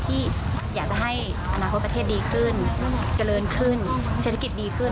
ที่อยากจะให้อนาคตประเทศดีขึ้นเจริญขึ้นเศรษฐกิจดีขึ้น